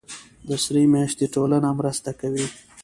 د سرې میاشتې ټولنه مرستې کوي